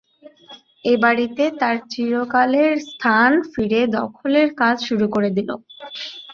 এ বাড়িতে তার চিরকালের স্থান ফিরে দখলের কাজ শুরু করে দিলে।